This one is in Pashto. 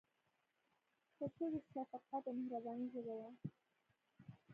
پسه د شفقت او مهربانۍ ژبه ده.